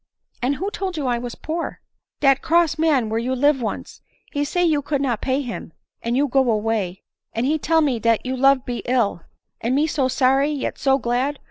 " And who told you I was poor ?"" Dat cross man where you live once — he say you could not pay him, and you go away — and he tell me dat your love be ill ; and me so sorry, yet so glad